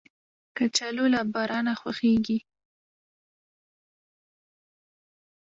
کچالو له بارانه خوښیږي